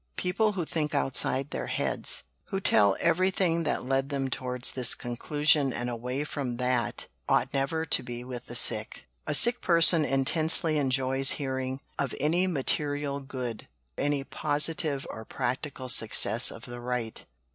"People who think outside their heads, who tell everything that led them towards this conclusion and away from that, ought never to be with the sick." "A sick person intensely enjoys hearing of any material good, any positive or practical success of the right.